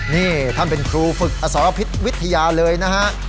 นี่ท่านเป็นครูฝึกอสรพิษวิทยาเลยนะฮะ